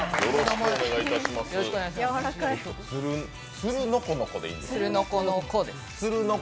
つるのこのこでいいんですか？